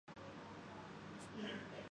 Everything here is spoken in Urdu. اس تحریک کا آغاز امریکہ کہ شہر